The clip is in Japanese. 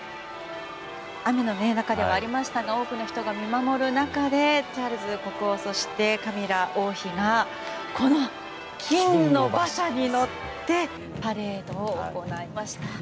雨の中ではありましたが多くの人が見守る中でチャールズ国王そしてカミラ王妃がこの金の馬車に乗ってパレードを行いました。